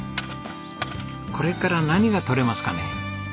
これから何が取れますかね？